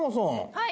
はい。